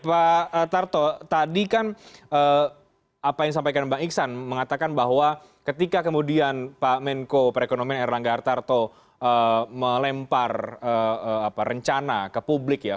pak tarto tadi kan apa yang disampaikan bang iksan mengatakan bahwa ketika kemudian pak menko perekonomian erlangga hartarto melempar rencana ke publik ya